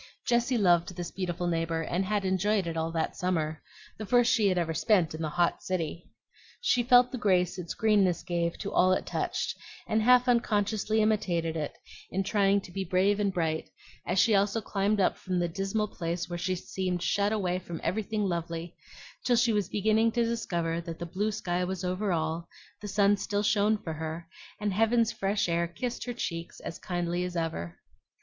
Jessie loved this beautiful neighbor, and had enjoyed it all that summer, the first she ever spent in the hot city. She felt the grace its greenness gave to all it touched, and half unconsciously imitated it in trying to be brave and bright, as she also climbed up from the dismal place where she seemed shut away from everything lovely, till she was beginning to discover that the blue sky was over all, the sun still shone for her, and heaven's fresh air kissed her cheeks as kindly as ever.